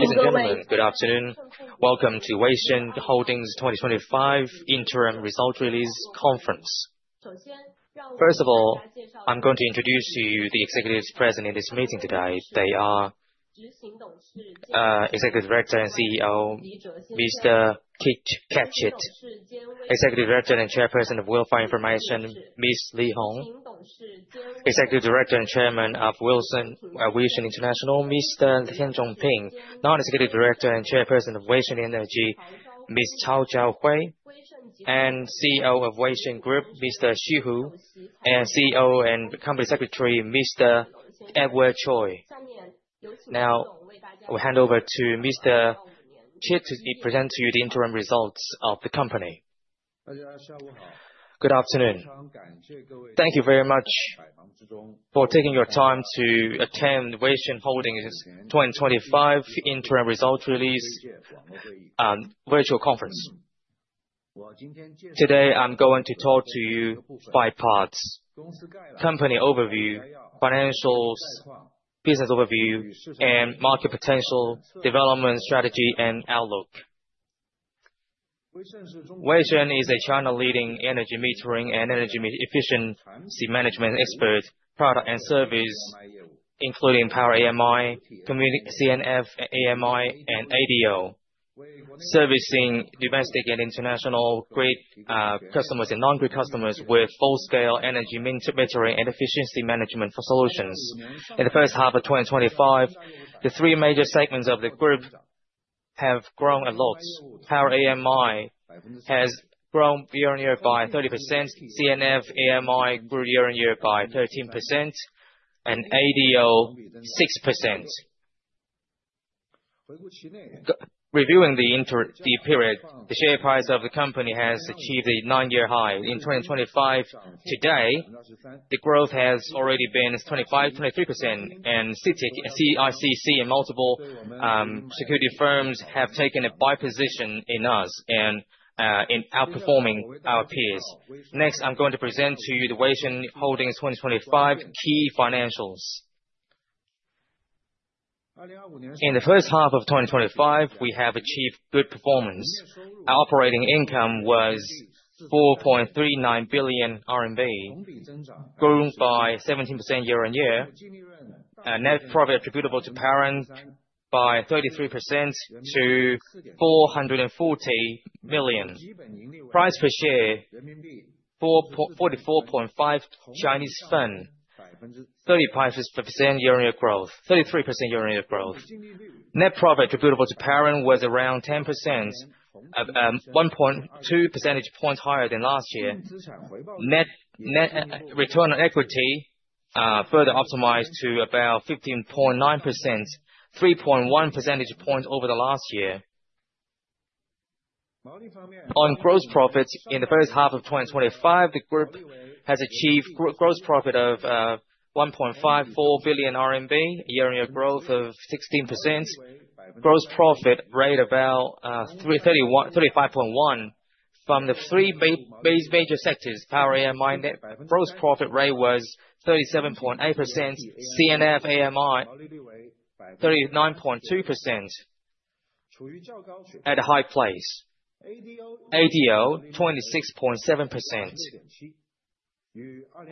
Ladies and gentlemen, good afternoon. Welcome to Wasion Holdings 2025 Interim Result Release Conference. First of all, I'm going to introduce to you the executives present in this meeting today. They are Executive Director and CEO, Mr. Kat Chit; Executive Director and Chairperson of Willfar Information, Ms. Li Hong; Executive Director and Chairman of Wasion International, Mr. Zeng Xin; Non-Executive Director and Chairperson of Wasion Energy, Ms. Cao Zhao Hui; and CEO of Wasion Group, Mr. Xu Hu; and CEO and Company Secretary, Mr. Edward Choi. Now, we'll hand over to Mr. Kat to present to you the interim results of the company. Good afternoon. Thank you very much for taking your time to attend Wasion Holdings 2025 Interim Result Release Virtual Conference. Today, I'm going to talk to you about five parts: company overview, financials, business overview, and market potential, development strategy, and outlook. Wasion is a China-leading energy metering and energy efficiency management expert product and service, including Power AMI, C&F AMI, and ADO, servicing domestic and international grid customers and non-grid customers with full-scale energy metering and efficiency management solutions. In the first half of 2025, the three major segments of the group have grown a lot. Power AMI has grown year-on-year by 30%, C&F AMI grew year-on-year by 13%, and ADO 6%. Reviewing the period, the share price of the company has achieved a nine-year high. In 2025, today, the growth has already been 25-23%, and CICC and multiple security firms have taken a buy position in us and are outperforming our peers. Next, I'm going to present to you the Wasion Holdings 2025 key financials. In the first half of 2025, we have achieved good performance. Our operating income was 4.39 billion RMB, growing by 17% year-on-year, and net profit attributable to parent by 33% to 440 million. Price per share, 0.445, 30% year-on-year growth, 33% year-on-year growth. Net profit attributable to parent was around 10%, 1.2 percentage points higher than last year. Net return on equity further optimized to about 15.9%, 3.1 percentage points over the last year. On gross profits, in the first half of 2025, the group has achieved gross profit of 1.54 billion RMB, year-on-year growth of 16%, gross profit rate about 35.1%. From the three major sectors, Power AMI, gross profit rate was 37.8%, C&F AMI 39.2% at a high place, ADO 26.7%,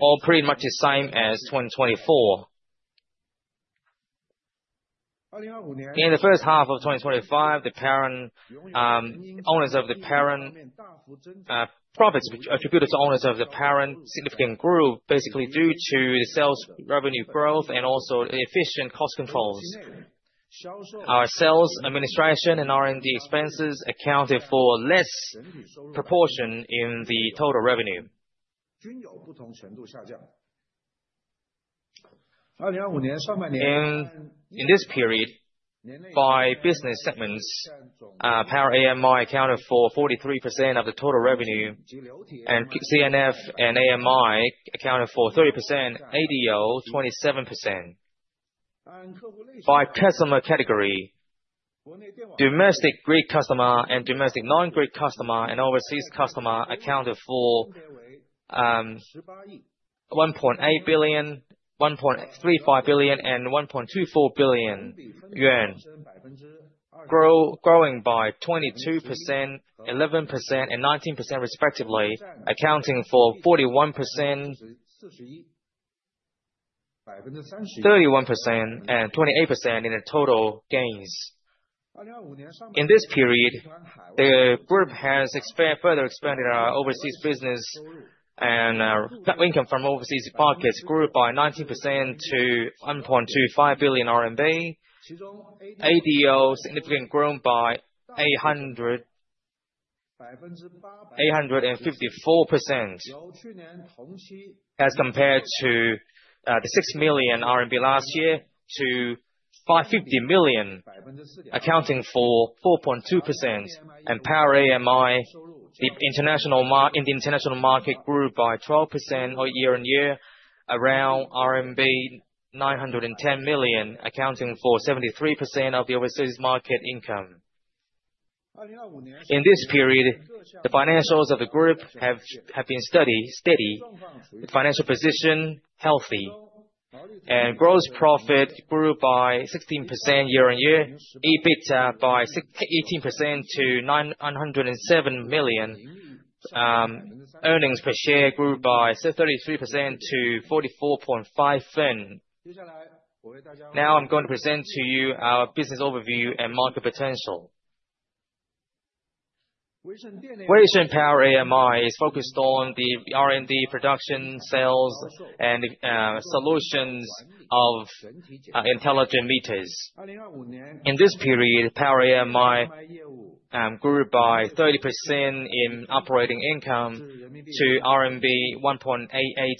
all pretty much the same as 2024. In the first half of 2025, the owners of the parent profits attributed to owners of the parent significantly grew, basically due to the sales revenue growth and also efficient cost controls. Our sales administration and R&D expenses accounted for less proportion in the total revenue. In this period, by business segments, Power AMI accounted for 43% of the total revenue, and C&F and AMI accounted for 30%, ADO 27%. By customer category, domestic grid customer and domestic non-grid customer and overseas customer accounted for 1.8 billion, 1.35 billion, and 1.24 billion yuan, growing by 22%, 11%, and 19% respectively, accounting for 41%, 31%, and 28% in the total gains. In this period, the group has further expanded our overseas business, and income from overseas markets grew by 19% to 1.25 billion RMB, ADO significantly grown by 854% as compared to the 6 million RMB last year to 550 million, accounting for 4.2%, and Power AMI in the international market grew by 12% year-on-year, around RMB 910 million, accounting for 73% of the overseas market income. In this period, the financials of the group have been steady, with financial position healthy, and gross profit grew by 16% year-on-year, EBITDA by 18% to 907 million, earnings per share grew by 33% to 0.445. Now, I'm going to present to you our business overview and market potential. Wasion Power AMI is focused on the R&D production, sales, and solutions of intelligent meters. In this period, Power AMI grew by 30% in operating income to RMB 1.88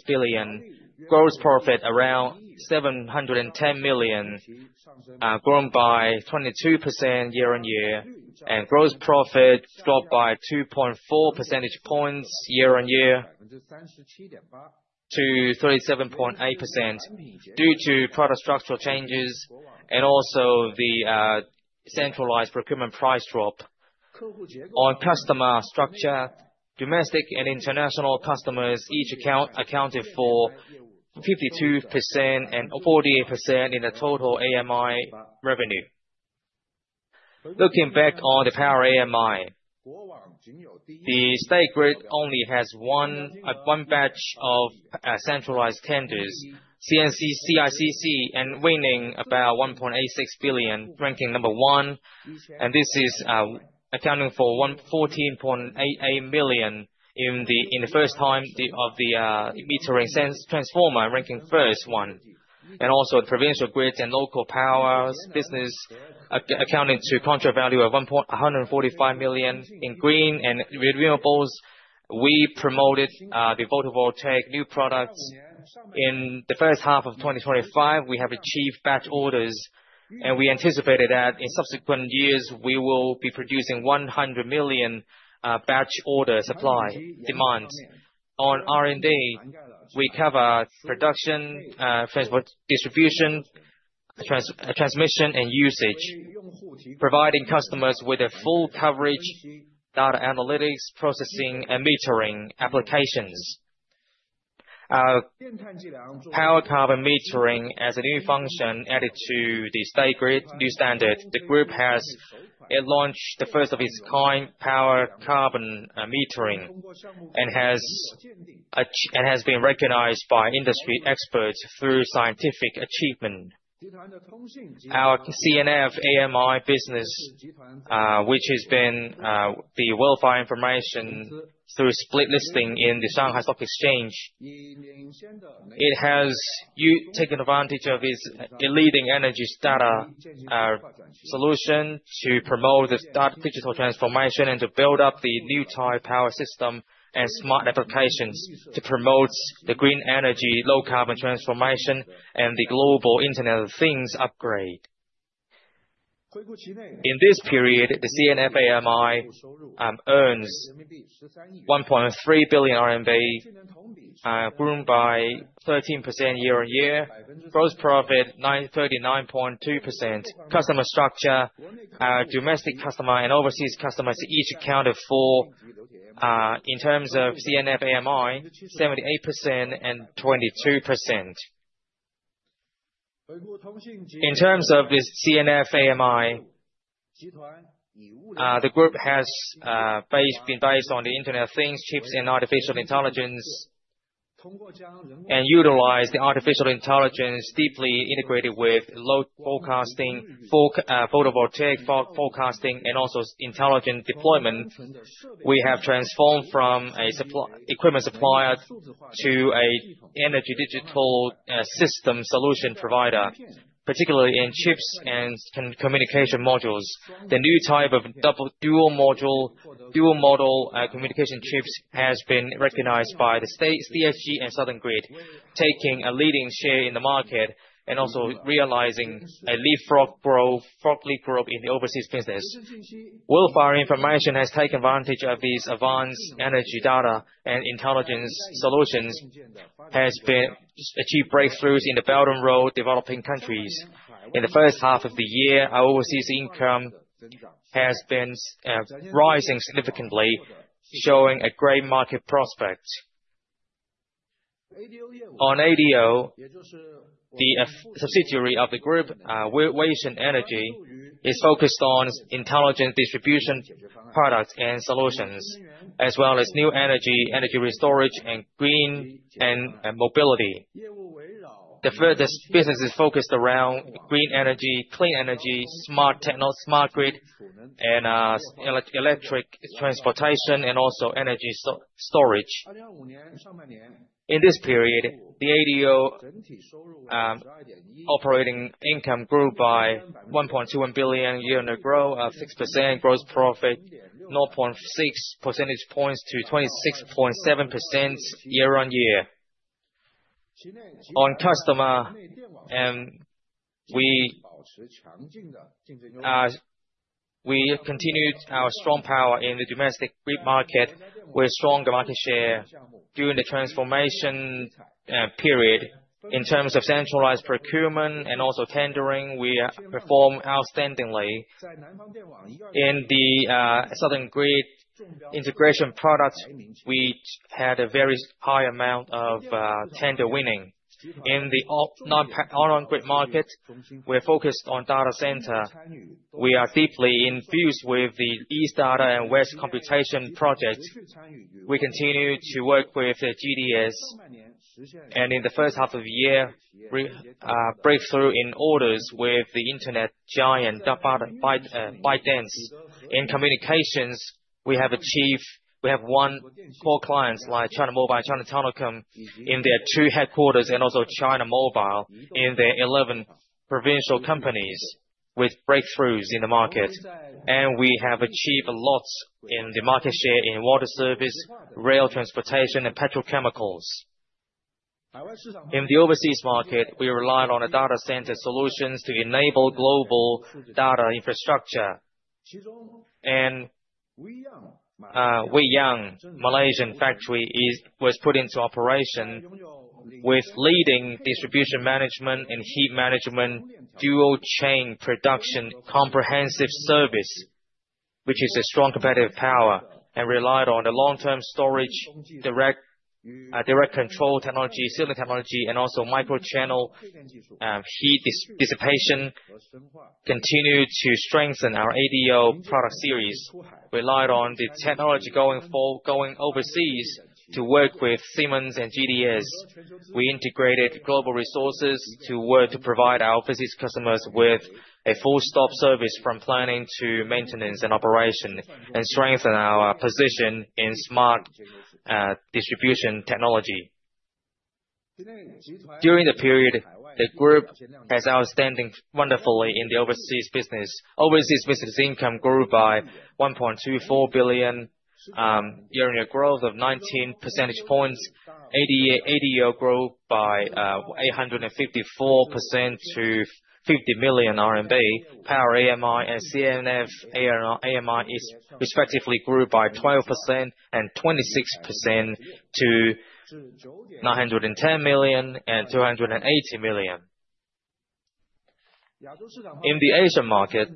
billion, gross profit around 710 million, grown by 22% year-on-year, and gross profit dropped by 2.4 percentage points year-on-year to 37.8% due to product structural changes and also the centralized procurement price drop on customer structure. Domestic and international customers each accounted for 52% and 48% in the total AMI revenue. Looking back on the Power AMI, the State Grid only has one batch of centralized tenders. CSG, and winning about 1.86 billion, ranking number one, and this is accounting for 14.88 million in the first time of the metering transformer, ranking first one. Also, provincial grids and local power business accounted to contract value of 145 million in green and renewables. We promoted the low voltage new products. In the first half of 2025, we have achieved batch orders, and we anticipated that in subsequent years, we will be producing 100 million batch order supply demands. On R&D, we cover production, transport distribution, transmission, and usage, providing customers with a full coverage data analytics, processing, and metering applications. Power Carbon Metering as a new function added to the State Grid new standard. The group has launched the first of its kind, power carbon metering, and has been recognized by industry experts through scientific achievement. Our C&F AMI business, which has been the Willfar Information through split listing in the Shanghai Stock Exchange, it has taken advantage of its leading energy data solution to promote the digital transformation and to build up the new type power system and smart applications to promote the green energy, low carbon transformation, and the global Internet of Things upgrade. In this period, the C&F AMI earns CNY 1.3 billion, grown by 13% year-on-year, gross profit 39.2%, customer structure, domestic customer and overseas customers each accounted for in terms of C&F AMI, 78% and 22%. In terms of the C&F AMI, the group has been based on the Internet of Things, chips, and artificial intelligence, and utilized the artificial intelligence deeply integrated with load forecasting, photovoltaic forecasting, and also intelligent deployment. We have transformed from an equipment supplier to an energy digital system solution provider, particularly in chips and communication modules. The new type of dual module communication chips has been recognized by the state CSG and Southern Grid, taking a leading share in the market and also realizing a leapfrog growth in the overseas business. Willfar Information has taken advantage of these advanced energy data and intelligence solutions, has achieved breakthroughs in the Belt and Road developing countries. In the first half of the year, our overseas income has been rising significantly, showing a great market prospect. On ADO, the subsidiary of the group, Wasion Energy, is focused on intelligent distribution products and solutions, as well as new energy, energy restoration, and green mobility. The business is focused around green energy, clean energy, smart technology, smart grid, and electric transportation, and also energy storage. In this period, the ADO operating income grew by 1.21 billion year-on-year growth of 6%, gross profit 0.6 percentage points to 26.7% year-on-year. On customer, we continued our strong power in the domestic grid market with stronger market share during the transformation period. In terms of centralized procurement and also tendering, we performed outstandingly. In the Southern Grid integration product, we had a very high amount of tender winning. In the non-grid market, we are focused on data center. We are deeply infused with the Eastern Data, Western Computing project. We continue to work with GDS, and in the first half of the year, breakthrough in orders with the internet giant ByteDance. In communications, we have won core clients like China Mobile, China Telecom in their two headquarters, and also China Mobile in their 11 provincial companies with breakthroughs in the market. We have achieved a lot in the market share in water service, rail transportation, and petrochemicals. In the overseas market, we relied on data center solutions to enable global data infrastructure. Wasion Malaysian factory was put into operation with leading distribution management and heat management dual chain production comprehensive service, which is a strong competitive power, and relied on the long-term storage, direct control technology, signal technology, and also microchannel heat dissipation, continued to strengthen our ADO product series. Relied on the technology going overseas to work with Siemens and GDS. We integrated global resources to work to provide our overseas customers with a one-stop service from planning to maintenance and operation, and strengthen our position in smart distribution technology. During the period, the group has performed outstandingly in the overseas business. Overseas business income grew by 1.24 billion year-on-year growth of 19 percentage points. ADO grew by 854% to CNY 50 million. Power AMI and C&F AMI respectively grew by 12% and 26% to 910 million and 280 million. In the Asian market,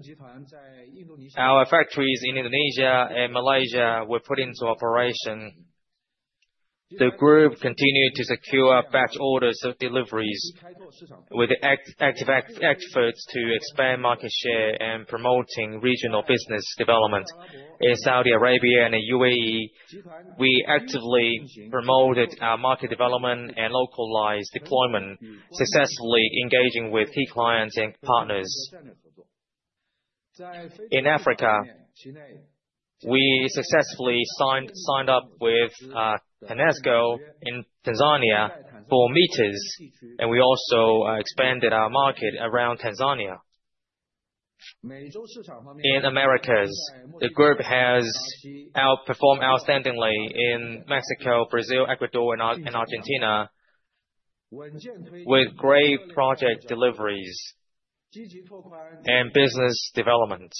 our factories in Indonesia and Malaysia were put into operation. The group continued to secure batch orders of deliveries with active efforts to expand market share and promoting regional business development. In Saudi Arabia and the UAE, we actively promoted our market development and localized deployment, successfully engaging with key clients and partners. In Africa, we successfully signed up with TANESCO in Tanzania for meters, and we also expanded our market around Tanzania. In Americas, the group has outperformed outstandingly in Mexico, Brazil, Ecuador, and Argentina with great project deliveries and business development.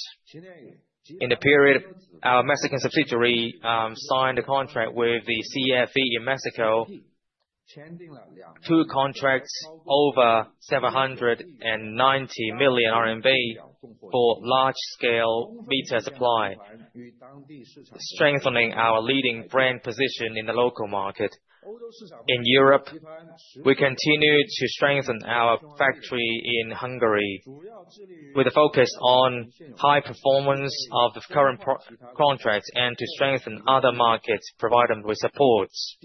In the period, our Mexican subsidiary signed a contract with the CFE in Mexico, two contracts over 790 million RMB for large-scale meter supply, strengthening our leading brand position in the local market. In Europe, we continue to strengthen our factory in Hungary with a focus on high performance of the current contracts and to strengthen other markets, provide them with supports.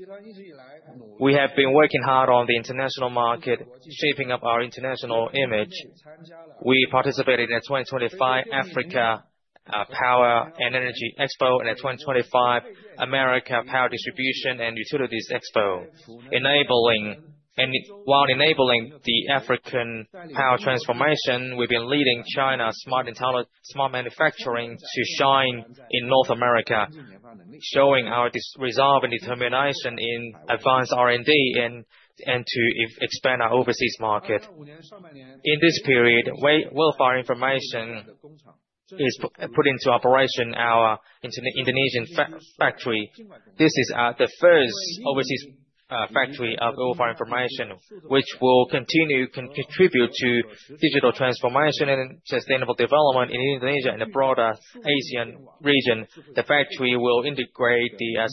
We have been working hard on the international market, shaping up our international image. We participated in the 2025 Africa Power and Energy Expo and the 2025 America Power Distribution and Utilities Expo. While enabling the African power transformation, we've been leading China's smart manufacturing to shine in North America, showing our resolve and determination in advanced R&D and to expand our overseas market. In this period, Willfar Information is put into operation our Indonesian factory. This is the first overseas factory of Willfar Information, which will continue to contribute to digital transformation and sustainable development in Indonesia and the broader Asian region. The factory will integrate the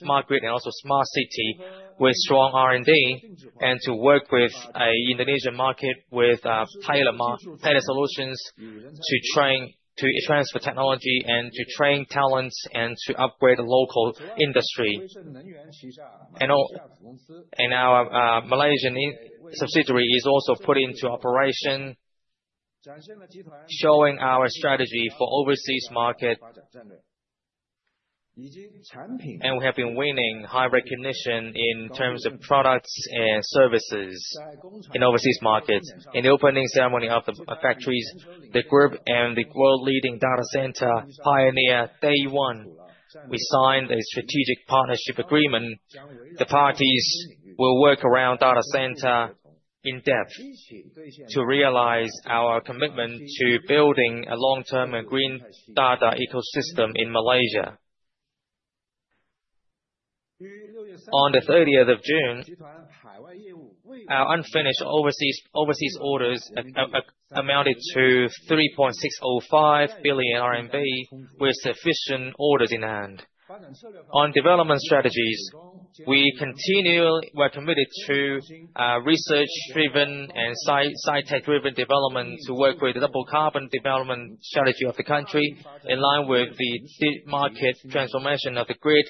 smart grid and also smart city with strong R&D and to work with the Indonesian market with tailored solutions to transfer technology and to train talents and to upgrade the local industry. And our Malaysian subsidiary is also put into operation, showing our strategy for overseas market. And we have been winning high recognition in terms of products and services in overseas markets. In the opening ceremony of the factories, the Group and the world-leading data center pioneer GDS, we signed a strategic partnership agreement. The parties will work around data center in depth to realize our commitment to building a long-term and green data ecosystem in Malaysia. On the 30th of June, our unfinished overseas orders amounted to 3.605 billion RMB with sufficient orders in hand. On development strategies, we continually were committed to research-driven and high-tech-driven development to work with the Double Carbon development strategy of the country in line with the market transformation of the grid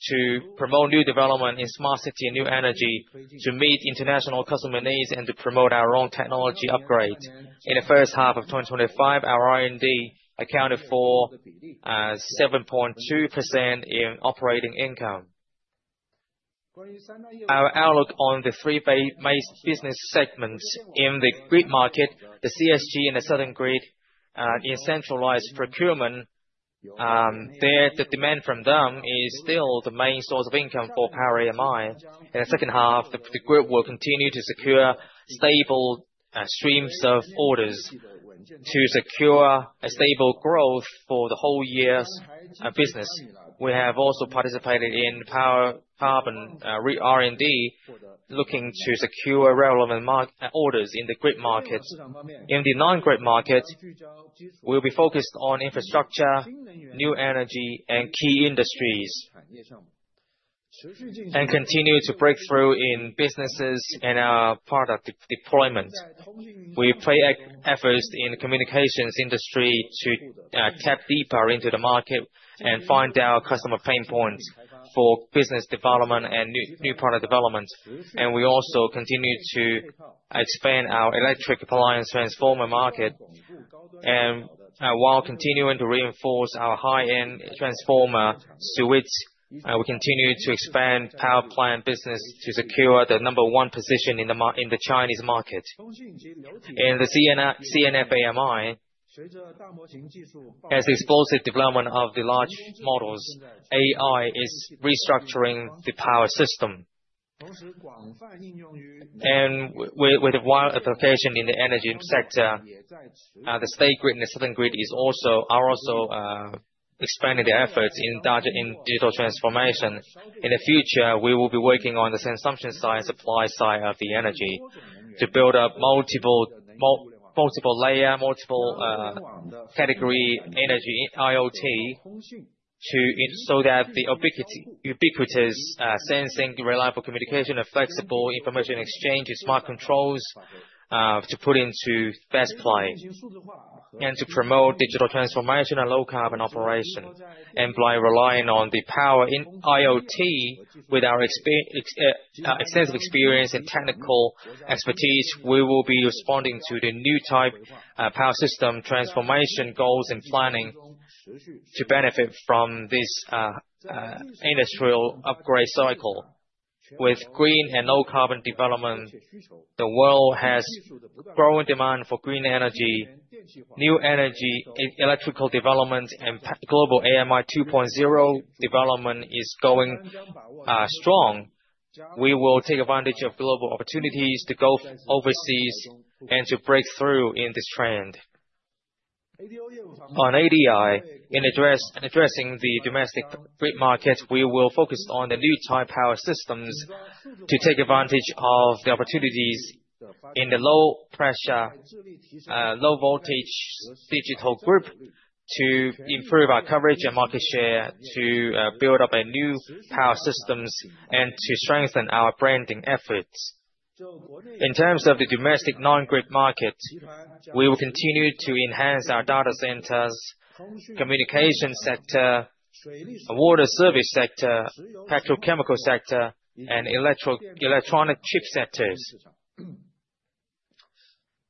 to promote new development in smart city and new energy to meet international customer needs and to promote our own technology upgrade. In the first half of 2025, our R&D accounted for 7.2% in operating income. Our outlook on the three main business segments in the grid market, the CSG and the Southern Grid, and in centralized procurement, the demand from them is still the main source of income for Power AMI. In the second half, the group will continue to secure stable streams of orders to secure a stable growth for the whole year's business. We have also participated in Power Carbon R&D, looking to secure relevant orders in the grid market. In the non-grid market, we will be focused on infrastructure, new energy, and key industries, and continue to break through in businesses and our product deployment. We pay efforts in the communications industry to tap deeper into the market and find our customer pain points for business development and new product development. And we also continue to expand our electric appliance transformer market. And while continuing to reinforce our high-end transformer suites, we continue to expand power plant business to secure the number one position in the Chinese market. In the C&F AMI, as explosive development of the large models, AI is restructuring the power system. And with a wide application in the energy sector, the State Grid and the Southern Grid are also expanding their efforts in digital transformation. In the future, we will be working on the consumption side and supply side of the energy to build up multiple layer, multiple category energy IoT so that the ubiquitous sensing, reliable communication, and flexible information exchange and smart controls are to put into best play and to promote digital transformation and low carbon operation. And by relying on the Power IoT, with our extensive experience and technical expertise, we will be responding to the new type power system transformation goals and planning to benefit from this industrial upgrade cycle. With green and low carbon development, the world has growing demand for green energy, new energy, electrical development, and global AMI 2.0 development is going strong. We will take advantage of global opportunities to go overseas and to break through in this trend. On ADO, in addressing the domestic grid market, we will focus on the new type power systems to take advantage of the opportunities in the low pressure, low voltage digital group to improve our coverage and market share to build up a new power systems and to strengthen our branding efforts. In terms of the domestic non-grid market, we will continue to enhance our data centers, communication sector, water service sector, petrochemical sector, and electronic chip sectors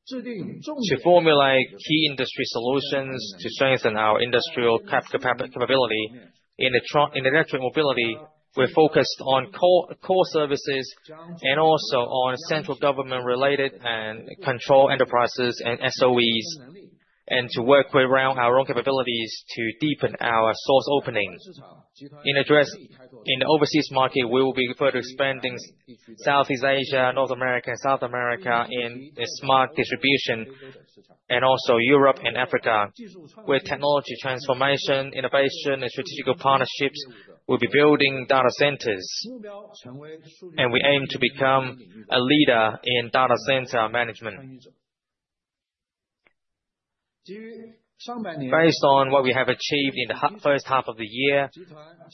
to formulate key industry solutions to strengthen our industrial capability. In electric mobility, we're focused on core services and also on central government-related and control enterprises and SOEs and to work around our own capabilities to deepen our source opening. In addressing the overseas market, we will be further expanding Southeast Asia, North America, and South America in smart distribution and also Europe and Africa with technology transformation, innovation, and strategic partnerships. We'll be building data centers, and we aim to become a leader in data center management. Based on what we have achieved in the first half of the year,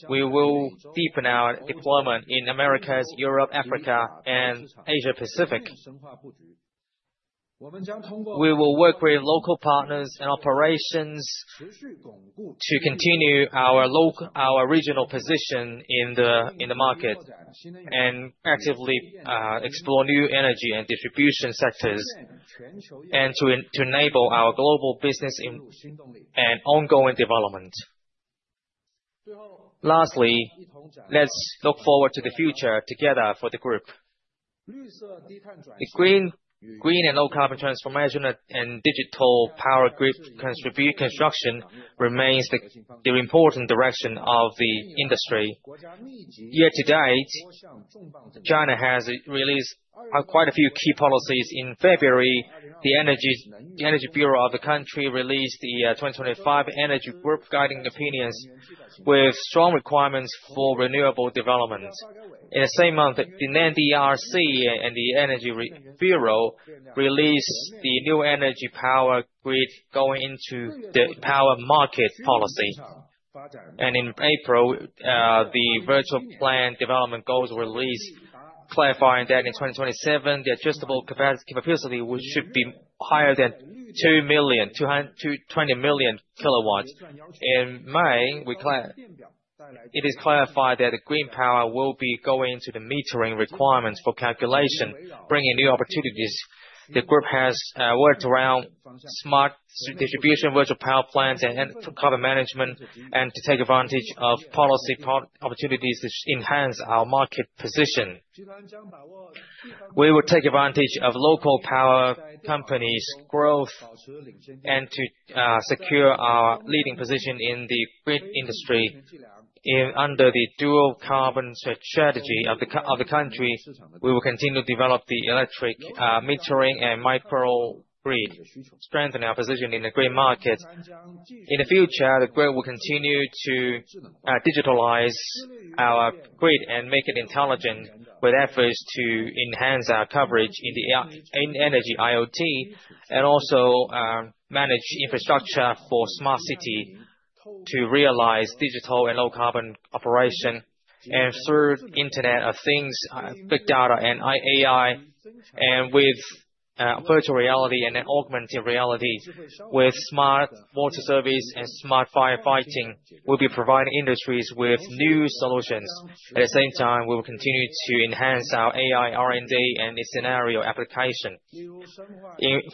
we will deepen our deployment in Americas, Europe, Africa, and Asia-Pacific. We will work with local partners and operations to continue our regional position in the market and actively explore new energy and distribution sectors and to enable our global business and ongoing development. Lastly, let's look forward to the future together for the group. The green and low carbon transformation and digital power grid construction remains the important direction of the industry. Yet to date, China has released quite a few key policies. In February, the Energy Bureau of the country released the 2025 Energy Group Guiding Opinions with strong requirements for renewable development. In the same month, the NDRC and the Energy Bureau released the new energy power grid going into the power market policy. And in April, the VPP development goals released, clarifying that in 2027, the adjustable capacity should be higher than 2 million, 220 million kilowatts. In May, it is clarified that green power will be going into the metering requirements for calculation, bringing new opportunities. The group has worked around smart distribution, virtual power plants, and carbon management and to take advantage of policy opportunities to enhance our market position. We will take advantage of local power companies' growth and to secure our leading position in the grid industry under the dual carbon strategy of the country. We will continue to develop the electric metering and micro grid, strengthening our position in the grid market. In the future, the group will continue to digitalize our grid and make it intelligent with efforts to enhance our coverage in the energy IoT and also manage infrastructure for smart city to realize digital and low carbon operation. Through the Internet of Things, big data, and AI, and with virtual reality and augmented reality with smart water service and smart firefighting, we'll be providing industries with new solutions. At the same time, we will continue to enhance our AI, R&D, and the scenario application.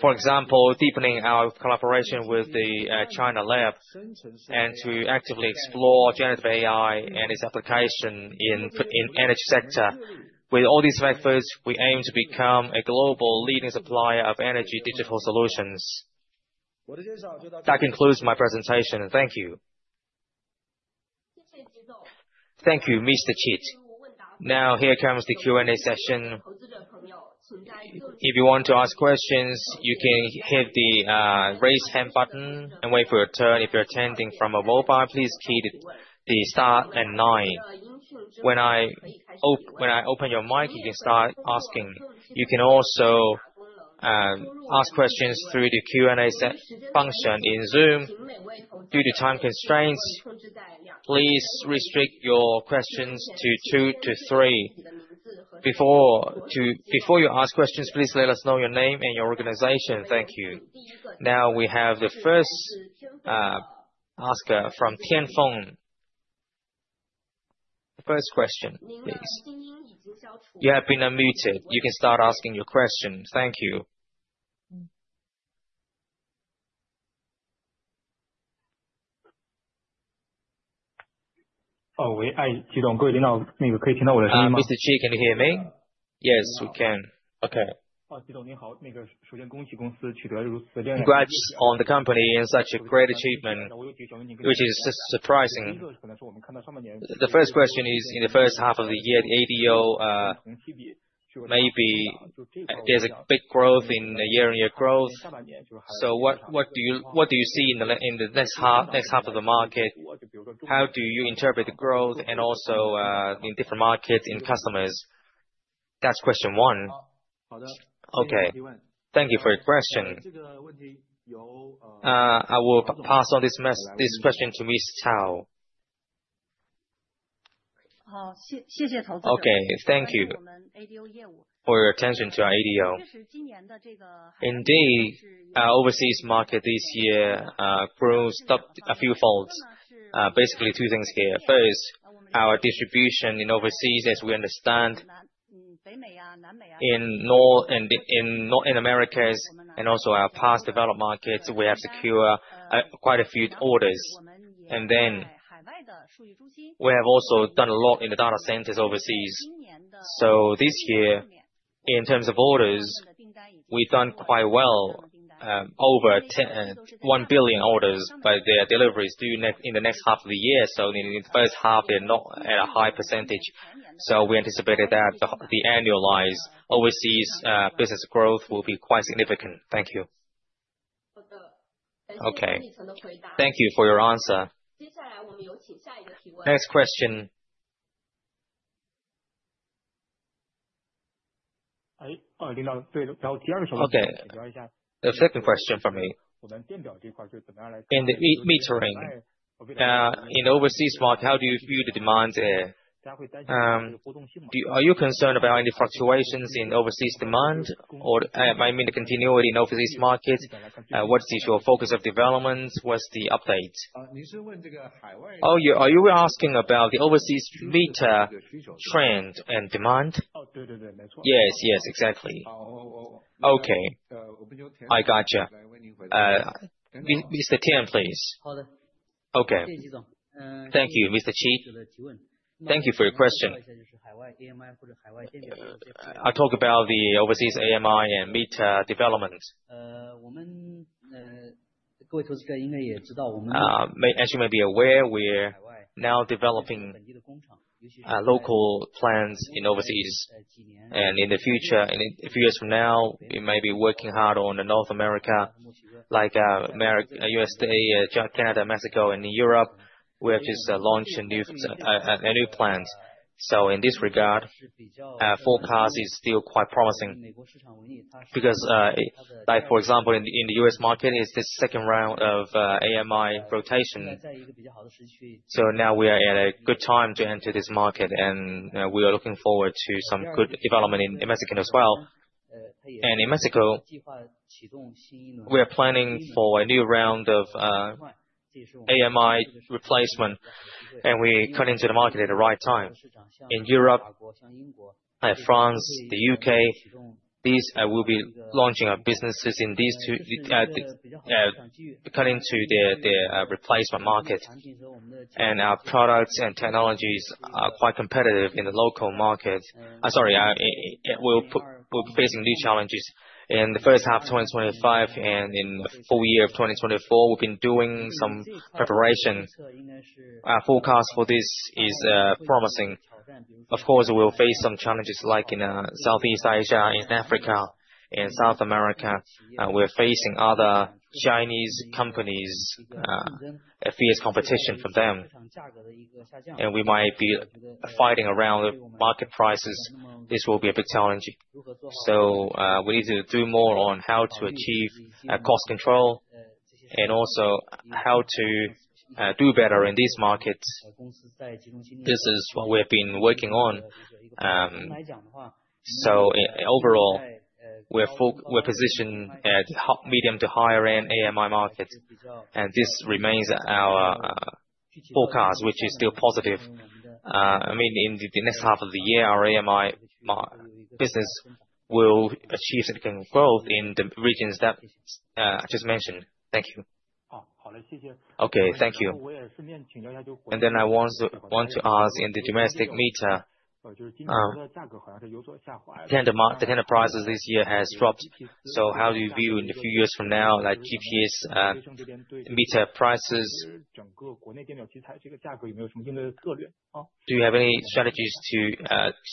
For example, deepening our collaboration with the China Lab and to actively explore generative AI and its application in the energy sector. With all these efforts, we aim to become a global leading supplier of energy digital solutions. That concludes my presentation. Thank you. Thank you, Mr. Chit. Now, here comes the Q&A session. If you want to ask questions, you can hit the raise hand button and wait for your turn. If you're attending from a mobile, please press star nine. When I open your mic, you can start asking. You can also ask questions through the Q&A function in Zoom. Due to time constraints, please restrict your questions to two to three. Before you ask questions, please let us know your name and your organization. Thank you. Now, we have the first asker from Tianfeng. First question, please. You have been unmuted. You can start asking your question. Thank you. Mr. Chit, can you hear me? Yes, we can. Okay. Congrats on the company and such a great achievement, which is surprising. The first question is, in the first half of the year, the ADO maybe there's a big growth in year-on-year growth. So what do you see in the next half of the market? How do you interpret the growth and also in different markets and customers? That's question one. Okay. Thank you for your question. I will pass on this question to Ms. Cao. Okay. Thank you, for your attention to our ADO. Indeed, our overseas market this year grew a few fold. Basically, two things here. First, our distribution in overseas, as we understand, in North America and also our past developed markets, we have secured quite a few orders. And then we have also done a lot in the data centers overseas. So this year, in terms of orders, we've done quite well, over 1 billion orders by their deliveries in the next half of the year. So in the first half, they're not at a high percentage. So we anticipated that the annualized overseas business growth will be quite significant. Thank you. Okay. Thank you for your answer. Next question. Okay. The second question for me. In the metering, in overseas market, how do you view the demand there? Are you concerned about any fluctuations in overseas demand? I mean the continuity in overseas markets. What is your focus of development? What's the update? Are you asking about the overseas meter trend and demand? Yes, yes, exactly. Okay. I gotcha. Mr. Tian, please. Okay. Thank you, Mr. Kat Chit. Thank you for your question. I talk about the overseas AMI and meter development. As you may be aware, we're now developing local plans in overseas, and in the future, a few years from now, we may be working hard on the North America, like USA, Canada, Mexico, and Europe. We have just launched a new plan, so in this regard, our forecast is still quite promising. Because, for example, in the U.S. market, it's the second round of AMI rotation, so now we are at a good time to enter this market, and we are looking forward to some good development in Mexico as well. In Mexico, we are planning for a new round of AMI replacement, and we cut into the market at the right time. In Europe, France, the U.K., we'll be launching our businesses in these two countries, cutting into the replacement market. Our products and technologies are quite competitive in the local market. Sorry, we'll be facing new challenges in the first half of 2025 and in the full year of 2024. We've been doing some preparation. Our forecast for this is promising. Of course, we'll face some challenges like in Southeast Asia, in Africa, and South America. We're facing other Chinese companies' fierce competition from them. We might be fighting around market prices. This will be a bit challenging. We need to do more on how to achieve cost control and also how to do better in these markets. This is what we have been working on. So overall, we're positioned at medium to higher-end AMI market. And this remains our forecast, which is still positive. I mean, in the next half of the year, our AMI business will achieve significant growth in the regions that I just mentioned. Thank you. Okay. Thank you, and then I want to ask in the domestic meter. The tender prices this year have dropped. So how do you view in a few years from now, like GPS meter prices? Do you have any strategies to,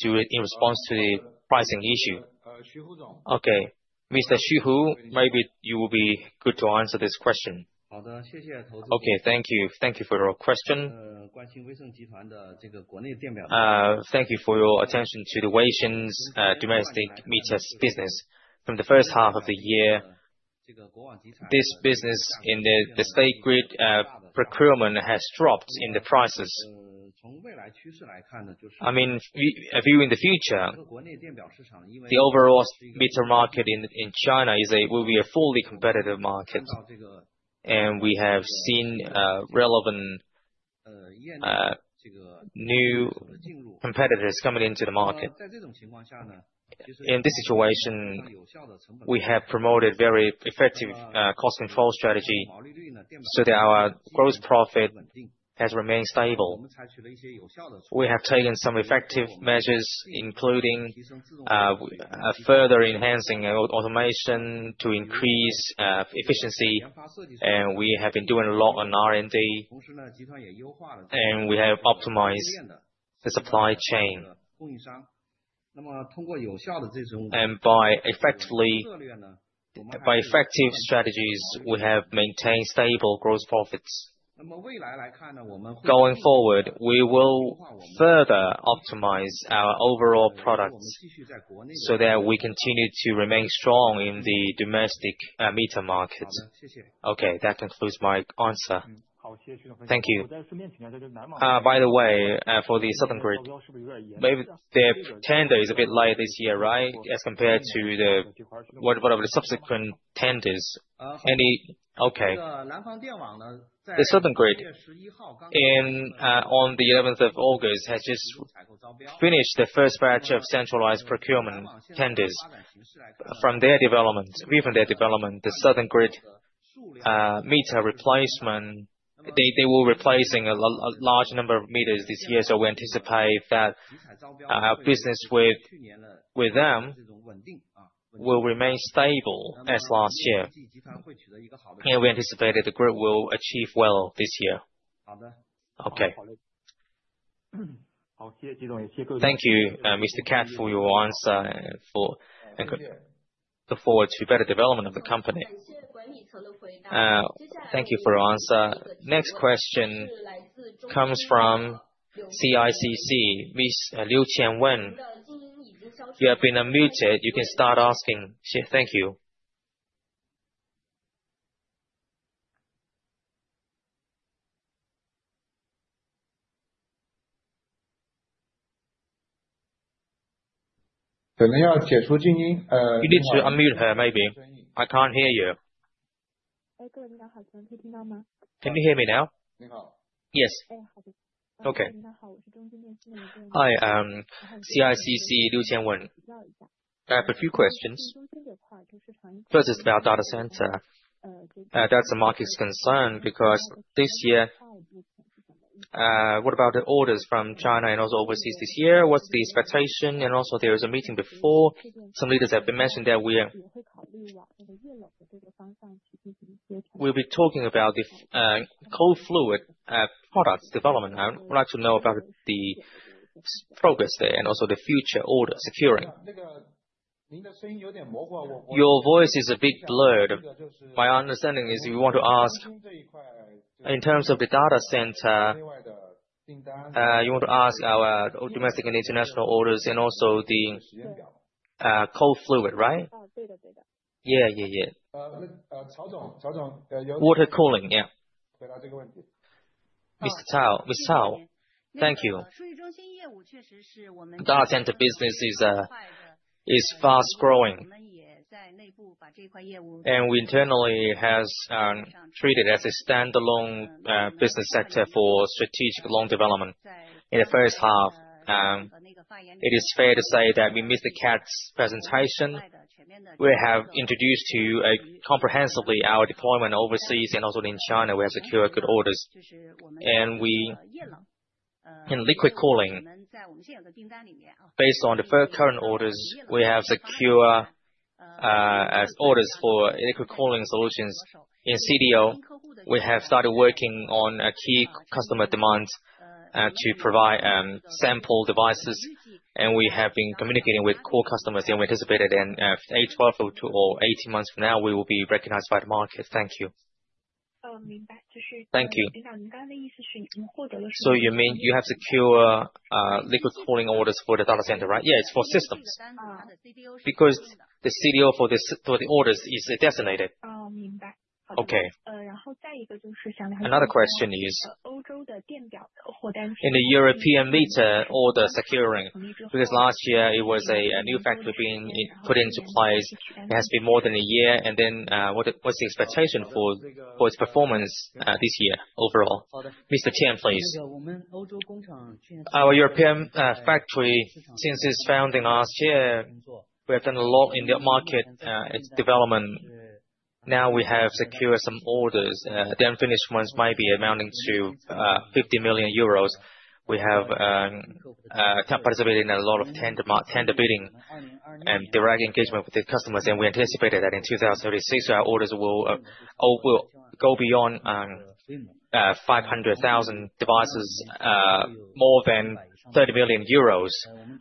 in response to the pricing issue? Okay. Mr. Xu Hu, maybe you will be good to answer this question. Okay. Thank you. Thank you for your question. Thank you for your attention to Wasion's domestic meters business. From the first half of the year, this business in the State Grid procurement has dropped in the prices. I mean, viewing the future, the overall meter market in China will be a fully competitive market, and we have seen relevant new competitors coming into the market. In this situation, we have promoted a very effective cost control strategy so that our gross profit has remained stable. We have taken some effective measures, including further enhancing automation to increase efficiency, and we have been doing a lot on R&D, and we have optimized the supply chain, and by effective strategies, we have maintained stable gross profits. Going forward, we will further optimize our overall products so that we continue to remain strong in the domestic meter market. Okay. That concludes my answer. Thank you. By the way, for the Southern Grid, maybe the tender is a bit late this year, right, as compared to whatever the subsequent tenders? Okay. The southern grid, on the 11th of August, has just finished the first batch of centralized procurement tenders. From their development, the southern grid meter replacement, they will be replacing a large number of meters this year. So we anticipate that our business with them will remain stable as last year. And we anticipate that the group will achieve well this year. Okay. Thank you, Mr. Kat, for your answer. And look forward to better development of the company. Thank you for your answer. Next question comes from CICC. Ms. Liu Qianwen, you have been unmuted. You can start asking. Thank you. You need to unmute her, maybe. I can't hear you. Can you hear me now? Yes. Okay. Hi, CICC Liu Qianwen. I have a few questions. First, it's about data center. That's the market's concern because this year, what about the orders from China and also overseas this year? What's the expectation? And also, there was a meeting before. Some leaders have been mentioned that we'll be talking about the cold fluid products development. I would like to know about the progress there and also the future order securing. Your voice is a bit blurred. My understanding is you want to ask in terms of the data center, you want to ask our domestic and international orders, and also the cold fluid, right? Yeah, yeah, yeah. Water cooling, yeah. Ms. Cao, thank you. Data center business is fast growing, and we internally have treated it as a standalone business sector for strategic loan development in the first half. It is fair to say that with Mr. Kat's presentation, we have introduced to comprehensively our deployment overseas and also in China. We have secured good orders. And in liquid cooling, based on the current orders, we have secured orders for liquid cooling solutions. In CDU, we have started working on key customer demands to provide sample devices. And we have been communicating with core customers. And we anticipate that in eight, 12, or 18 months from now, we will be recognized by the market. Thank you. Thank you. So you mean you have secured liquid cooling orders for the data center, right? Yeah, it's for systems. Because the CDU for the orders is designated. Okay. Another question is, in the European market, order securing, because last year it was a new factor being put into place. It has been more than a year. And then what's the expectation for its performance this year overall? Mr. Tian, please. Our European factory, since its founding last year, we have done a lot in the market development. Now we have secured some orders. The unfinished ones might be amounting to 50 million euros. We have participated in a lot of tender bidding and direct engagement with the customers, and we anticipate that in 2036, our orders will go beyond 500,000 devices, more than 30 million euros,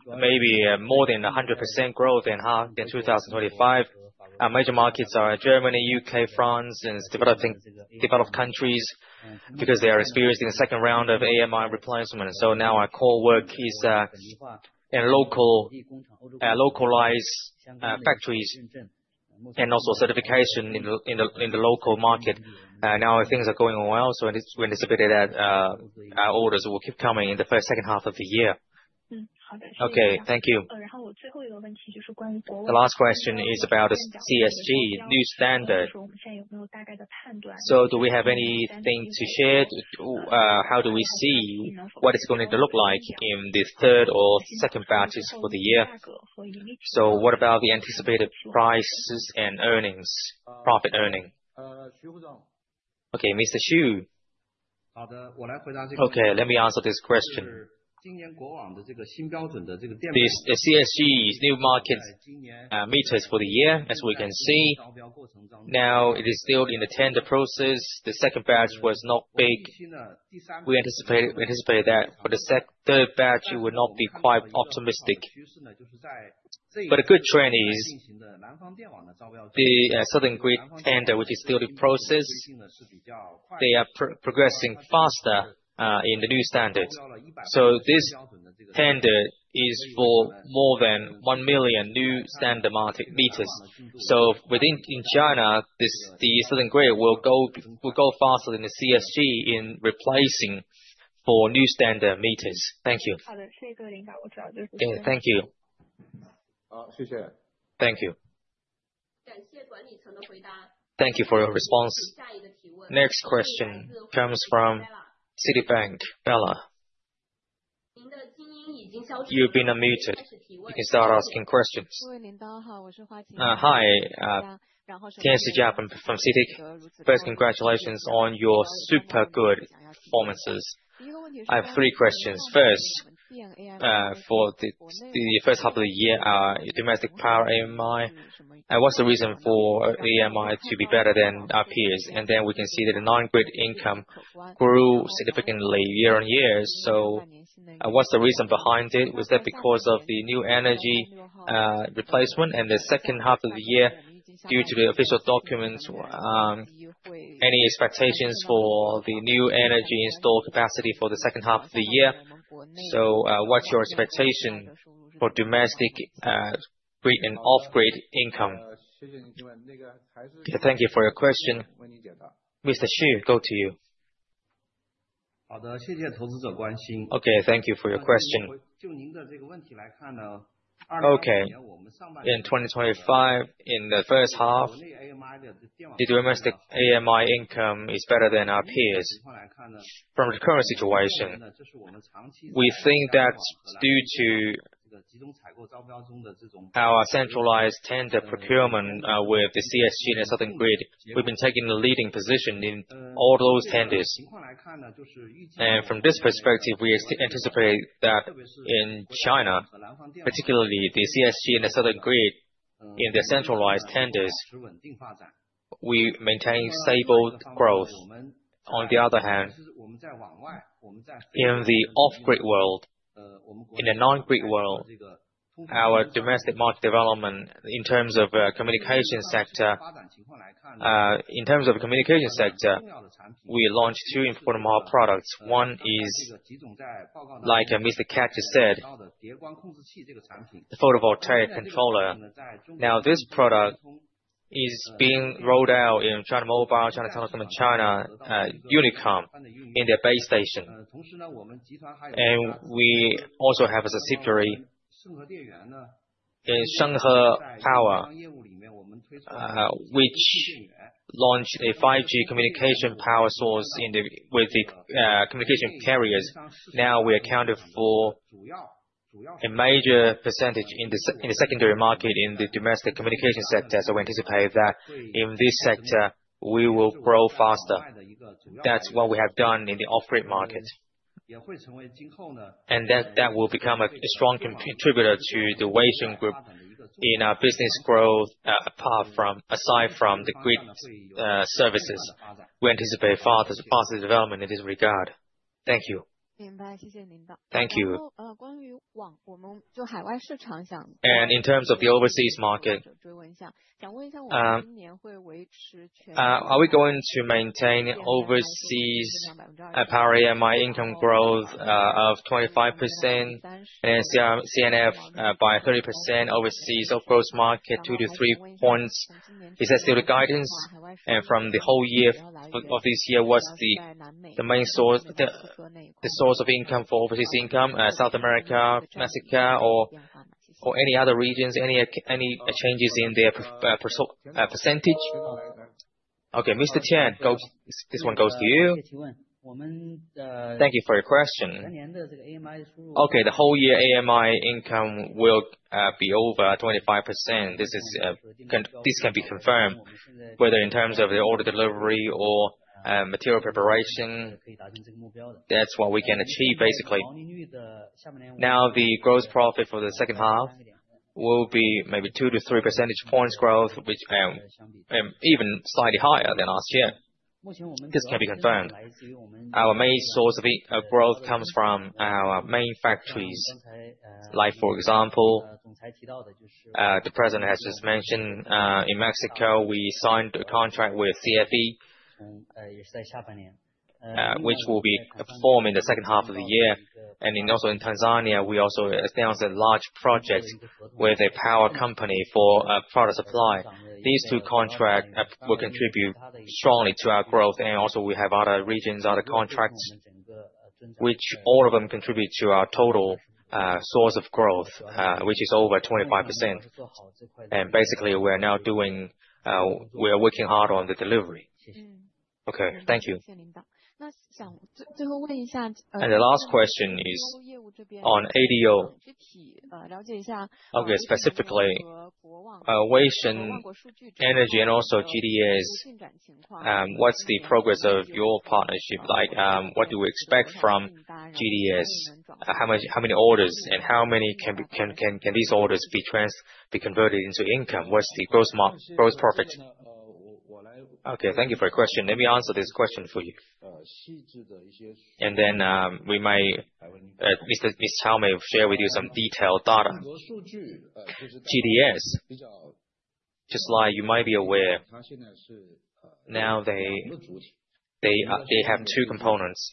maybe more than 100% growth in 2025. Our major markets are Germany, U.K., France, and developing countries because they are experiencing a second round of AMI replacement, so now our core work is in localized factories and also certification in the local market. Now things are going well, so we anticipate that our orders will keep coming in the first second half of the year. Okay. Thank you. The last question is about CSG, new standard. So do we have anything to share? How do we see what it's going to look like in the third or second batches for the year? So what about the anticipated prices and earnings, profit earning? Okay. Mr. Xu. Okay. Let me answer this question. The CSG new market meters for the year, as we can see. Now it is still in the tender process. The second batch was not big. We anticipate that for the third batch, it will not be quite optimistic. But a good trend is the southern grid tender, which is still in process. They are progressing faster in the new standard. So this tender is for more than 1 million new standard meters. So within China, the southern grid will go faster than the CSG in replacing for new standard meters. Thank you. Thank you. Thank you. Thank you for your response. Next question comes from Citigroup, Bella. You've been unmuted. You can start asking questions. Hi. Tian Xijia from Citic. First, congratulations on your super good performances. I have three questions. First, for the first half of the year, our domestic power AMI, what's the reason for AMI to be better than our peers? And then we can see that the non-grid income grew significantly year-on-year. So what's the reason behind it? Was that because of the new energy replacement and the second half of the year due to the official documents? Any expectations for the new energy installed capacity for the second half of the year? So what's your expectation for domestic grid and off-grid income? Thank you for your question. Mr. Xu, go to you. Okay. Thank you for your question. Okay. In 2025, in the first half, the domestic AMI income is better than our peers. From the current situation, we think that due to our centralized tender procurement with the CSG and the southern grid, we've been taking the leading position in all those tenders, and from this perspective, we anticipate that in China, particularly the CSG and the southern grid, in the centralized tenders, we maintain stable growth. On the other hand, in the off-grid world, in the non-grid world, our domestic market development in terms of the communication sector, in terms of the communication sector, we launched two important products. One is, like Mr. Kat just said, the photovoltaic controller. Now this product is being rolled out in China Mobile, China Telecom, and China Unicom in their base station, and we also have a subsidiary in Power which launched a 5G communication power source with the communication carriers. Now we accounted for a major percentage in the secondary market in the domestic communication sector, so we anticipate that in this sector, we will grow faster. That's what we have done in the off-grid market. And that will become a strong contributor to the Wasion Group in our business growth aside from the grid services. We anticipate faster development in this regard. Thank you. Thank you. And in terms of the overseas market, are we going to maintain overseas power AMI income growth of 25% and C&F by 30% overseas gross margin 2-3 points? Is that still the guidance? And from the whole year of this year, what's the main source of income for overseas income? South America, Mexico, or any other regions, any changes in their percentage? Okay. Mr. Tian, this one goes to you. Thank you for your question. Okay. The whole year AMI income will be over 25%. This can be confirmed whether in terms of the order delivery or material preparation. That's what we can achieve, basically. Now the gross profit for the second half will be maybe 2-3 percentage points growth, which is even slightly higher than last year. This can be confirmed. Our main source of growth comes from our main factories, like for example, the president has just mentioned in Mexico, we signed a contract with CFE, which will be performed in the second half of the year, and also in Tanzania, we also announced a large project with a power company for power supply. These two contracts will contribute strongly to our growth, and also we have other regions, other contracts, which all of them contribute to our total source of growth, which is over 25%. Basically, we are now working hard on the delivery. Okay. Thank you. The last question is on ADO. Okay. Specifically, Wasion Energy and also GDS, what's the progress of your partnership? What do we expect from GDS? How many orders? And how many can these orders be converted into income? What's the gross profit? Okay. Thank you for your question. Let me answer this question for you. And then we may, Ms. Cao may share with you some detailed data. GDS, just like you might be aware, now they have two components.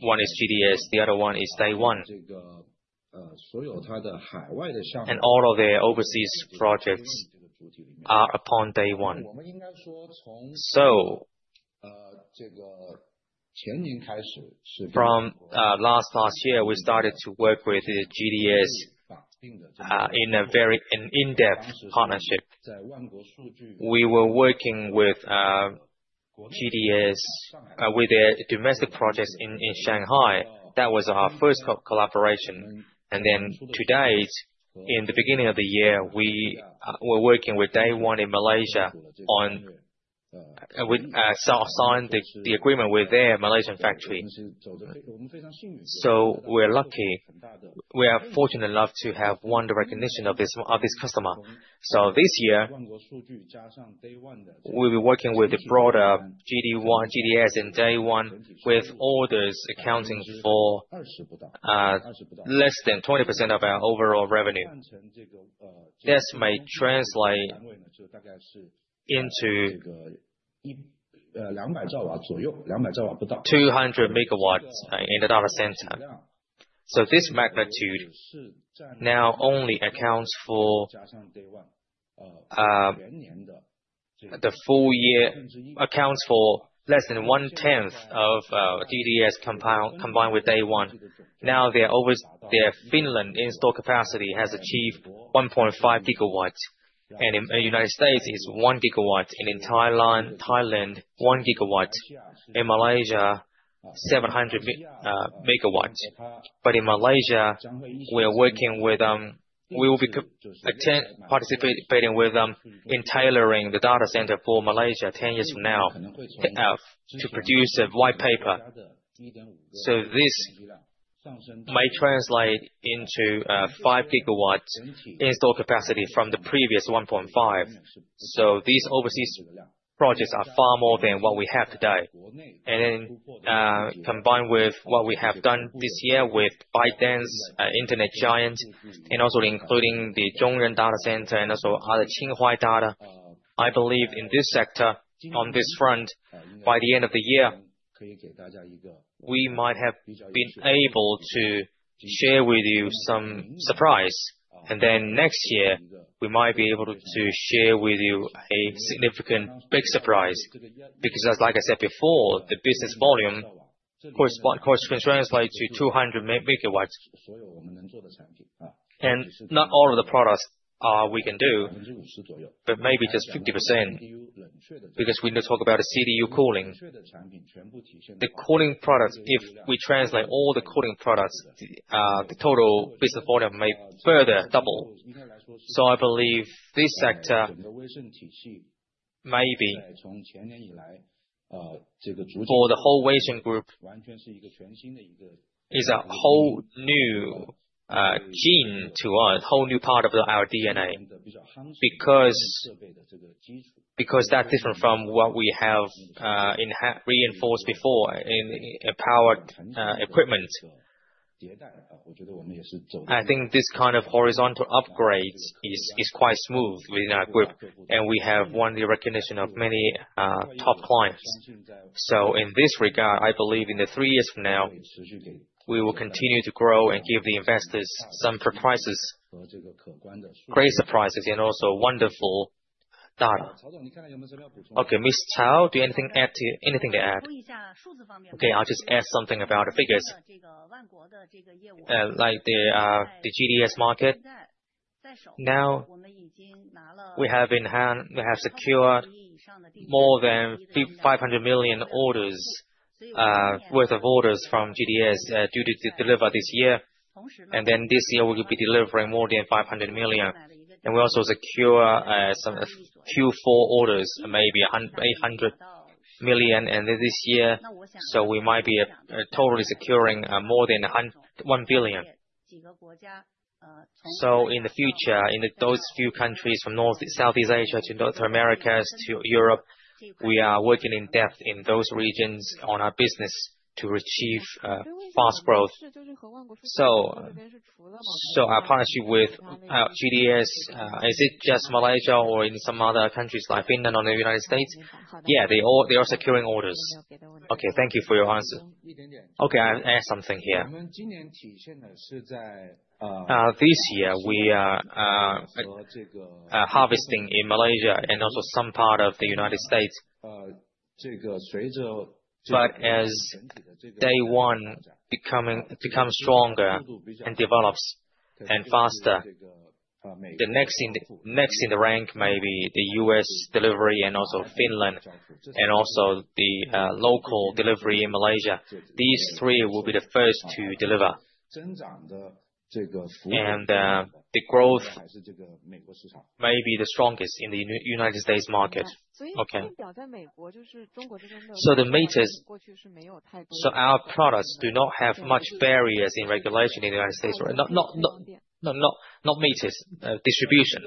One is GDS. The other one is DayOne. And all of their overseas projects are upon DayOne. So from last year, we started to work with GDS in an in-depth partnership. We were working with GDS with their domestic projects in Shanghai. That was our first collaboration. And then to date, in the beginning of the year, we were working with day one in Malaysia, and we signed the agreement with their Malaysian factory. So we're lucky. We are fortunate enough to have won the recognition of this customer. So this year, we'll be working with the broader GDS and DayOne, with orders accounting for less than 20% of our overall revenue. This may translate into 200 megawatts in the data center. So this magnitude now only accounts for the full year, accounts for less than one-tenth of GDS combined with DayOne. Now their Finland installed capacity has achieved 1.5 gigawatts. And in the United States, it's one gigawatt. And in Thailand, one gigawatt. In Malaysia, 700 megawatts. But in Malaysia, we are working with them. We will be participating with them in tailoring the data center for Malaysia 10 years from now to produce a white paper. So this may translate into five gigawatts installed capacity from the previous 1.5. So these overseas projects are far more than what we have today. And then combined with what we have done this year with ByteDance, an internet giant, and also including the Zhongren Data Center and also other ChinData, I believe in this sector, on this front, by the end of the year, we might have been able to share with you some surprise. And then next year, we might be able to share with you a significant big surprise. Because like I said before, the business volume corresponds to 200 megawatts. And not all of the products we can do, but maybe just 50%. Because we talk about CDU cooling, the cooling products, if we translate all the cooling products, the total business volume may further double. So I believe this sector may be for the whole Wasion Group, is a whole new gene to us, a whole new part of our DNA. Because that's different from what we have reinforced before in power equipment. I think this kind of horizontal upgrade is quite smooth within our group. And we have won the recognition of many top clients. So in this regard, I believe in the three years from now, we will continue to grow and give the investors some surprises, great surprises, and also wonderful data. Okay. Ms. Cao, do you have anything to add? Okay. I'll just add something about the figures. Like the GDS market, now we have secured more than 500 million worth of orders from GDS due to deliver this year. Then this year, we will be delivering more than 500 million. We also secure some Q4 orders, maybe 800 million this year. We might be totally securing more than 1 billion. In the future, in those few countries from Southeast Asia to North America to Europe, we are working in depth in those regions on our business to achieve fast growth. Our partnership with GDS, is it just Malaysia or in some other countries like Finland or the United States? Yeah, they are securing orders. Okay. Thank you for your answer. Okay. I'll add something here. This year, we are harvesting in Malaysia and also some part of the United States. But as GDS becomes stronger and develops faster, the next in the rank may be the U.S. delivery and also Finland and also the local delivery in Malaysia. These three will be the first to deliver. And the growth may be the strongest in the United States market. Okay. So the meters, so our products do not have much barriers in regulation in the United States. Not meters, distribution.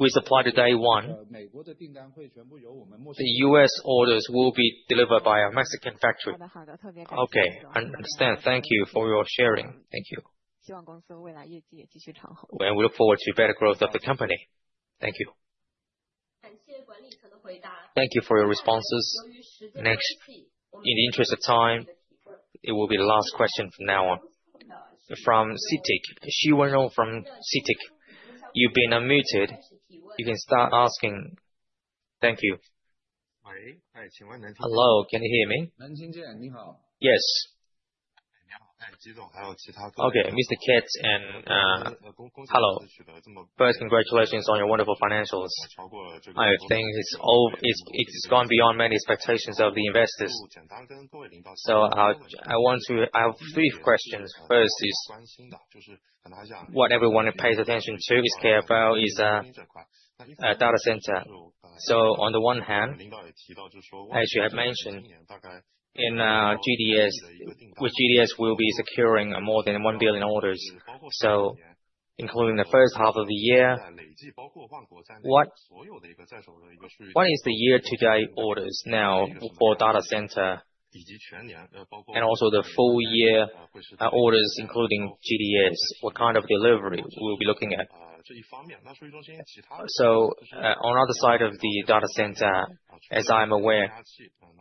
We supply to GDS. The U.S. orders will be delivered by our Mexican factory. Okay. I understand. Thank you for your sharing. Thank you. And we look forward to better growth of the company. Thank you. Thank you for your responses. Next, in the interest of time, it will be the last question from now on. From CITIC. Tian Xijia from CITIC. You've been unmuted. You can start asking. Thank you. Hello. Can you hear me? Yes. Okay. Mr. Keith, hello. First, congratulations on your wonderful financials. I think it's gone beyond many expectations of the investors. So I have three questions. First is what everyone pays attention to: the data center. So on the one hand, as you have mentioned, with GDS, we'll be securing more than 1 billion orders. So including the first half of the year, what is the year-to-date orders now for data center and also the full-year orders including GDS? What kind of delivery will we be looking at? So on the other side of the data center, as I'm aware,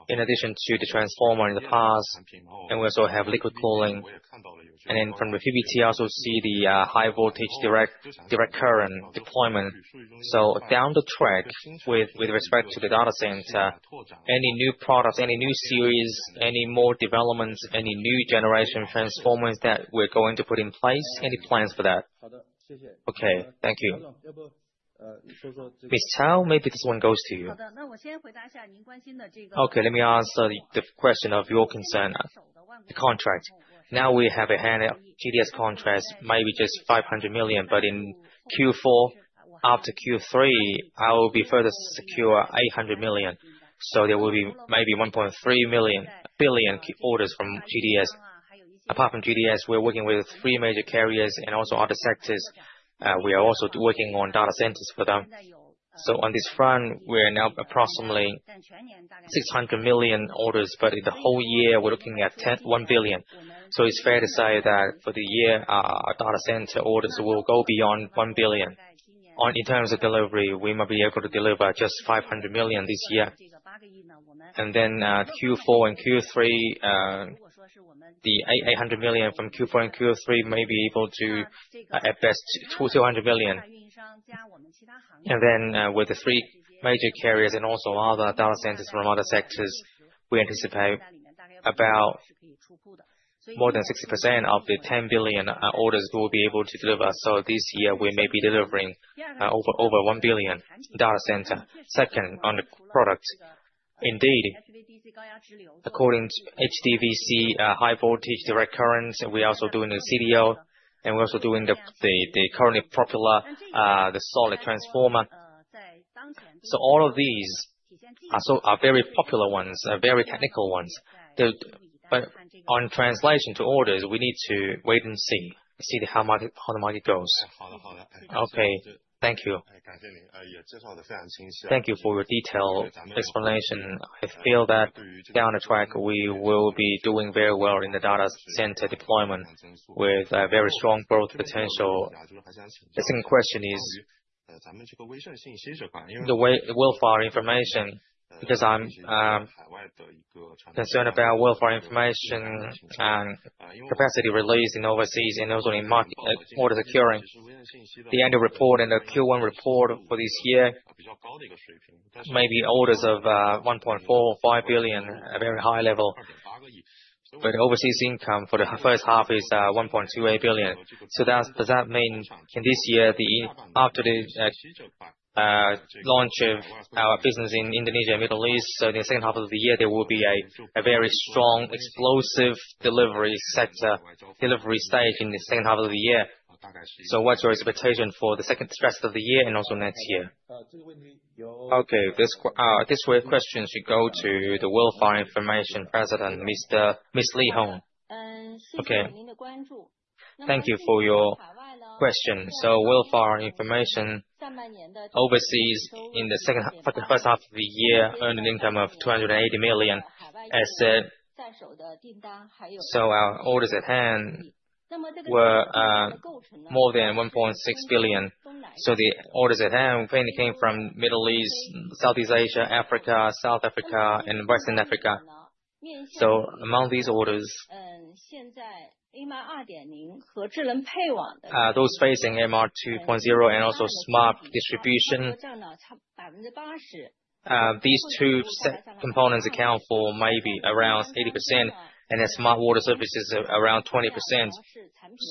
in addition to the transformer in the past, and we also have liquid cooling. And then from the PBT, I also see the high-voltage direct current deployment. So down the track, with respect to the data center, any new products, any new series, any more developments, any new generation transformers that we're going to put in place? Any plans for that? Okay. Thank you. Ms. Cao, maybe this one goes to you. Okay. Let me answer the question of your concern. The contract. Now we have on hand. GDS contracts maybe just 500 million. But in Q4, after Q3, I will be further secure 800 million. So there will be maybe 1.3 billion orders from GDS. Apart from GDS, we're working with three major carriers and also other sectors. We are also working on data centers for them. So on this front, we're now approximately 600 million orders. But in the whole year, we're looking at 1 billion. So it's fair to say that for the year, our data center orders will go beyond 1 billion. In terms of delivery, we might be able to deliver just 500 million this year. And then Q4 and Q3, the 800 million from Q4 and Q3 may be able to, at best, 200 million. And then with the three major carriers and also other data centers from other sectors, we anticipate about more than 60% of the 10 billion orders we'll be able to deliver. So this year, we may be delivering over 1 billion data centers. Second, on the product. Indeed, according to HVDC, high-voltage direct current, we are also doing the CDU, and we're also doing the currently popular solid state transformer. So all of these are very popular ones, very technical ones. But on translation to orders, we need to wait and see how the market goes. Okay. Thank you. Thank you for your detailed explanation. I feel that down the track, we will be doing very well in the data center deployment with very strong growth potential. The second question is the Willfar Information. Because I'm concerned about Willfar Information and capacity release in overseas and also in order securing. The annual report and the Q1 report for this year may be orders of 1.4 billion or 5 billion, a very high level. But overseas income for the first half is 1.28 billion. So does that mean in this year, after the launch of our business in Indonesia and the Middle East, so in the second half of the year, there will be a very strong, explosive delivery sector delivery stage in the second half of the year? So what's your expectation for the second half of the year and also next year? Okay. This question should go to the Willfar Information president, Mr. Miss Li Hong. Okay. Thank you for your question. So Willfar Information overseas in the first half of the year earned an income of 280 million. So our orders at hand were more than 1.6 billion. So the orders at hand mainly came from the Middle East, Southeast Asia, Africa, South Africa, and Western Africa. So among these orders, those facing MR2.0 and also smart distribution, these two components account for maybe around 80%, and then smart water services around 20%.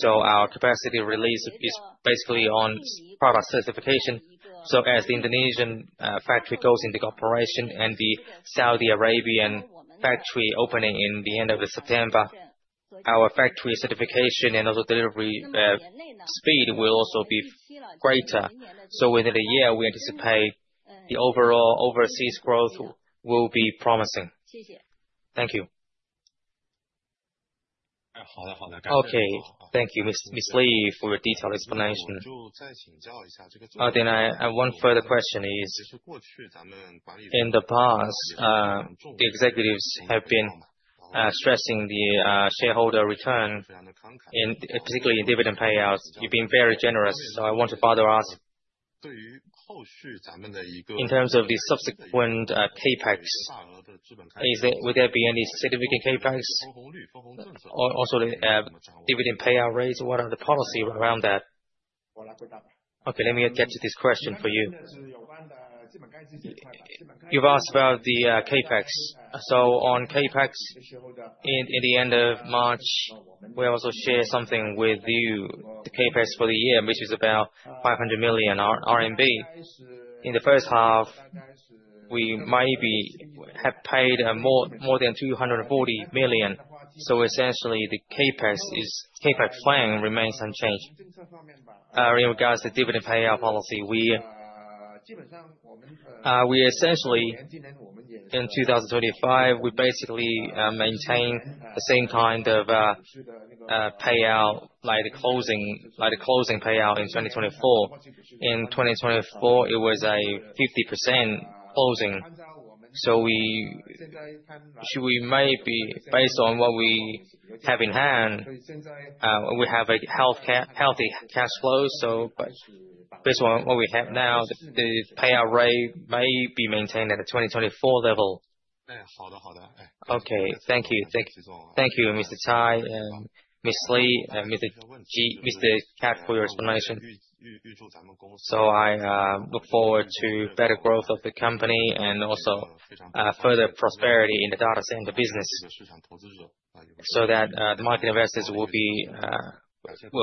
So our capacity release is basically on product certification. So as the Indonesian factory goes into operation and the Saudi Arabian factory opening in the end of September, our factory certification and also delivery speed will also be greater. So within a year, we anticipate the overall overseas growth will be promising. Thank you. Okay. Thank you, Miss Li, for your detailed explanation. Then one further question is, in the past, the executives have been stressing the shareholder return, particularly in dividend payouts. You've been very generous. So I want to further ask, in terms of the subsequent CapEx, would there be any significant CapEx? Also, the dividend payout rates, what are the policies around that? Okay. Let me get to this question for you. You've asked about the CapEx. So on CapEx, in the end of March, we also shared something with you. The CapEx for the year, which is about 500 million RMB. In the first half, we maybe have paid more than 240 million. So essentially, the CapEx plan remains unchanged. In regards to dividend payout policy, we essentially, in 2025, we basically maintain the same kind of payout, like the closing payout in 2024. In 2024, it was a 50% closing. So we may be, based on what we have in hand, we have a healthy cash flow. So based on what we have now, the payout rate may be maintained at a 2024 level. Okay. Thank you. Thank you, Mr. Choi, and Miss Li, and Mr. Kat Chit for your explanation. So I look forward to better growth of the company and also further prosperity in the data center business so that the market investors will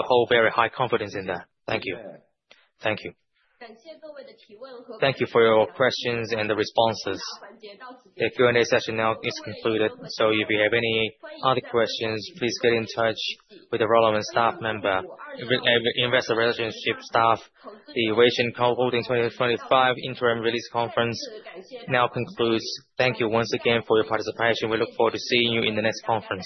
hold very high confidence in that. Thank you. Thank you. Thank you for your questions and the responses. The Q&A session now is concluded. So if you have any other questions, please get in touch with the relevant staff member, Investor Relations staff. The Wasion Holdings 2025 Interim Release Conference now concludes. Thank you once again for your participation. We look forward to seeing you in the next conference.